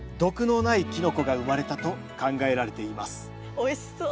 おいしそう。